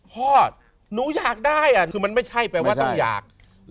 พ่อหนูอยากได้คือมันไม่ใช่แปลว่าต้องอยาก